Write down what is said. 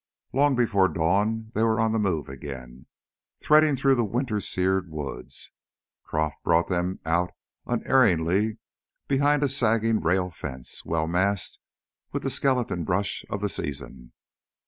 Long before dawn they were on the move again, threading through the winter seared woods. Croff brought them out unerringly behind a sagging rail fence well masked with the skeleton brush of the season.